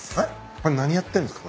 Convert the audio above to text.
これ何やってるんですか？